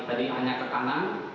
tadi hanya ke kanan